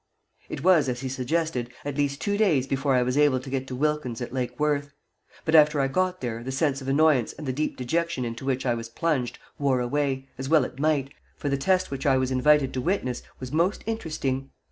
It was, as he suggested, at least two days before I was able to get to Wilkins at Lake Worth; but after I got there the sense of annoyance and the deep dejection into which I was plunged wore away, as well it might, for the test which I was invited to witness was most interesting.